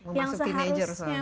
memasuk teenager soalnya